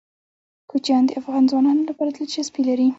کوچیان د افغان ځوانانو لپاره دلچسپي لري.